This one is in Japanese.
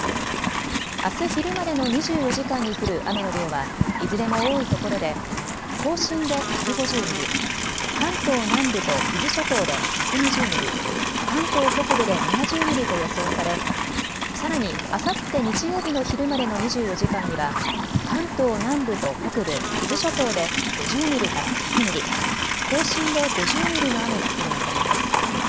あす昼までの２４時間に降る雨の量はいずれも多いところで甲信で１５０ミリ、関東南部と伊豆諸島で１２０ミリ、関東北部で７０ミリと予想されさらにあさって日曜日の昼までの２４時間には関東南部と北部、伊豆諸島で５０ミリから１００ミリ、甲信で５０ミリの雨が降る見込みです。